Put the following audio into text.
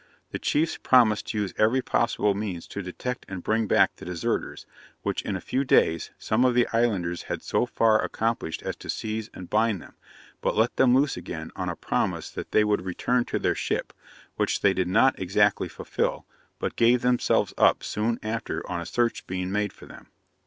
The chiefs promised to use every possible means to detect and bring back the deserters, which, in a few days, some of the islanders had so far accomplished as to seize and bind them, but let them loose again on a promise that they would return to their ship, which they did not exactly fulfil, but gave themselves up soon after on a search being made for them.